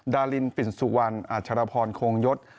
ดารินปิ่นสุวรรณอัชรพรโคงยศ